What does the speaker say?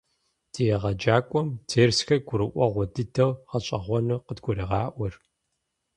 Ди егъэджакӀуэм дерсхэр гурыӀуэгъуэ дыдэу, гъэщӀэгъуэну къыдгурегъаӀуэр.